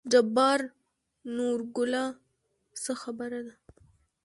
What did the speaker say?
جبار: نورګله څه خبره ده.